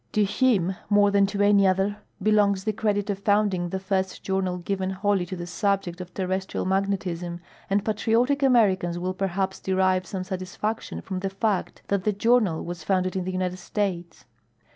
To him more than to any other belongs the credit of founding the first journal given wholly to the subject of terrestrial magnetism, and patriotic Americans will perhaps derive some satisfaction from the fact that the journal was founded in the United States.